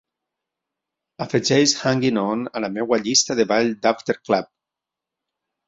Afegeix Hanging On a la meva llista de ball d'aftercluv.